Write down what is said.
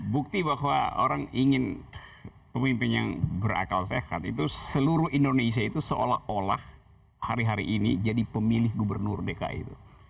bukti bahwa orang ingin pemimpin yang berakal sehat itu seluruh indonesia itu seolah olah hari hari ini jadi pemilih gubernur dki itu